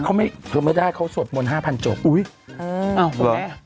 เขาไม่ได้เขาสวดมนตร์๕๐๐๐โจทย์อุ๊ยอ้าวหรอ